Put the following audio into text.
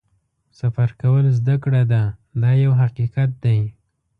سفر کول زده کړه ده دا یو حقیقت دی.